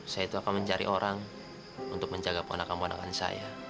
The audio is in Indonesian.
saya itu akan mencari orang untuk menjaga ponakan ponakan saya